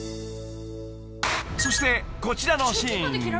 ［そしてこちらのシーン］